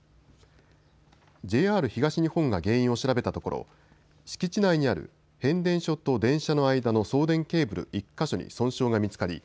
ＪＲ東日本が原因を調べたところ敷地内にある変電所と電車の間の送電ケーブル１か所に損傷が見つかり